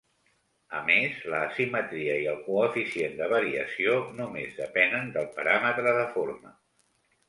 A més, la asimetria i el coeficient de variació només depenen del paràmetre de forma.